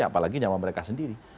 apalagi nyawa mereka sendiri